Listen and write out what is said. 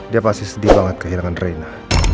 dia pasti sedih banget kehilangan reina